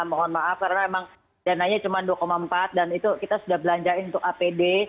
mohon maaf karena emang dananya cuma dua empat dan itu kita sudah belanjain untuk apd